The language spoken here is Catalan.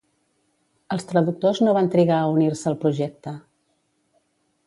Els traductors no van trigar a unir-se al projecte.